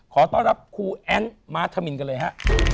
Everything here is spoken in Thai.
ขอต้อนรับครูแอ้นม้าธมินกันเลยฮะ